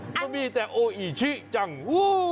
มันมีแต่โออิชิจังหู้